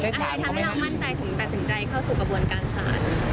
อะไรทำให้เรามั่นใจถึงตัดสินใจเข้าสู่กระบวนการศาล